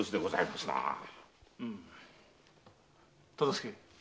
忠相。